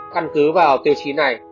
căn cứ vào tiêu chí này